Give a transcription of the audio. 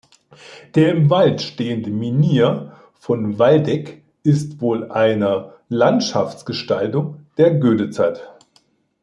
Der im Wald stehende Menhir von Waldeck ist wohl eine Landschaftsgestaltung der Goethezeit.